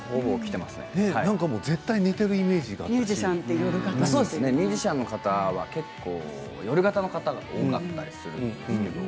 絶対に寝ているイメージミュージシャンの方は、夜型の方が多かったりするんですけど。